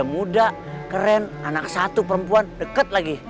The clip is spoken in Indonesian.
melihat utuh tersebut